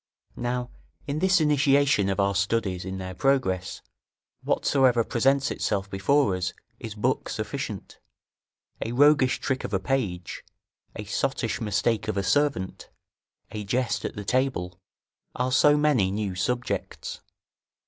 Now in this initiation of our studies in their progress, whatsoever presents itself before us is book sufficient; a roguish trick of a page, a sottish mistake of a servant, a jest at the table, are so many new subjects.